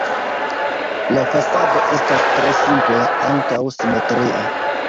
La fasado estas tre simpla, ankaŭ simetria.